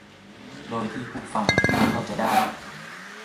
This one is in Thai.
โดยที่ผู้ฟังยังเข้าใจได้